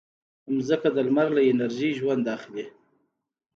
مځکه د لمر له انرژي ژوند اخلي.